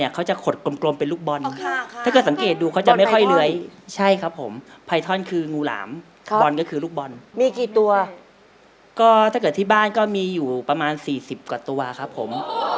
ถ้าเกิดที่บ้านก็มีอยู่ประมาณ๔๐กว่าตัวครับผม